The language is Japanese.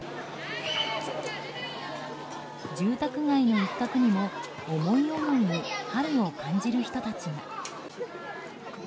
住宅街の一角にも思い思いに春を感じる人たちが。